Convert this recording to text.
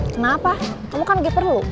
kenapa kamu kan lagi perlu